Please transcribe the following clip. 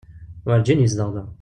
Werǧin yezdeɣ da.